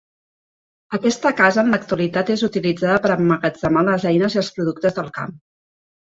Aquesta casa en l'actualitat és utilitzada per emmagatzemar les eines i els productes del camp.